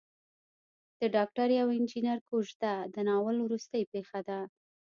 د ډاکټرې او انجنیر کوژده د ناول وروستۍ پېښه ده.